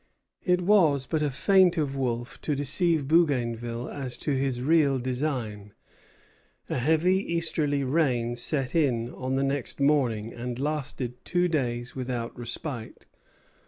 It was but a feint of Wolfe to deceive Bougainville as to his real design. A heavy easterly rain set in on the next morning, and lasted two days without respite.